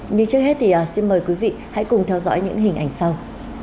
nhưng trước hết thì xin mời quý vị hãy cùng theo dõi những hình ảnh sau